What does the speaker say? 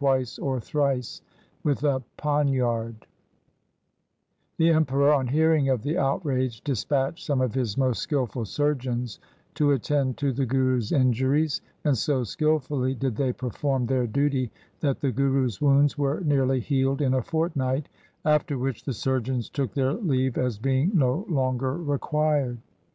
V R 242 THE SIKH RELIGION The Emperor on hearing of the outrage dispatched some of his most skilful surgeons to attend to the Guru's injuries ; and so skilfully did they perform their duty that the Guru's wounds were nearly healed in a fortnight, after which the surgeons took their leave as being no longer required